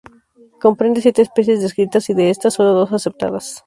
Comprende siete especies descritas y de estas, solo dos aceptadas.